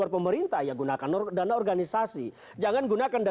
kita akan bahas usaha jeda